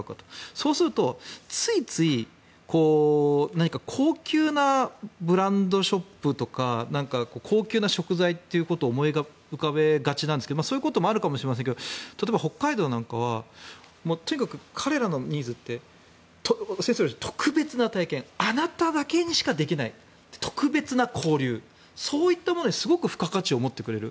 そうすると、ついつい何か高級なブランドショップとか高級な食材ということを思い浮かべがちですがそういうこともあるかもしれませんけど例えば、北海道なんかはとにかく彼らのニーズって先生がおっしゃるように特別な体験あなただけにしかできない特別な交流そういったものにすごく付加価値を持ってくれる。